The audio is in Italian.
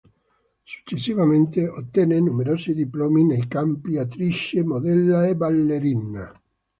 Successivamente ottenne numerosi diplomi nei campi: "Attrice", "Modella" e "Ballerina".